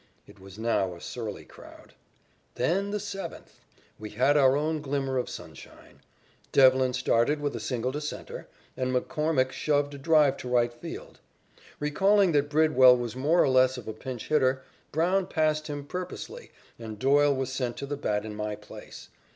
It was now a surly growl. Then the seventh! We had our one glimmer of sunshine. Devlin started with a single to centre, and McCormick shoved a drive to right field. Recalling that Bridwell was more or less of a pinch hitter, Brown passed him purposely and Doyle was sent to the bat in my place.